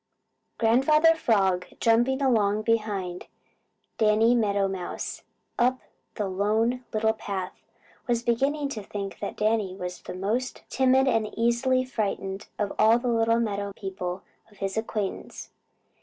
Grandfather Frog, jumping along behind Danny Meadow Mouse up the Lone Little Path, was beginning to think that Danny was the most timid and easiest frightened of all the little meadow people of his acquaintance.